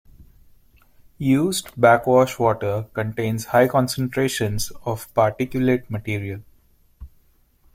Used backwash water contains high concentrations of particulate material.